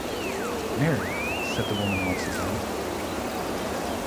“Marry!” said the woman once again.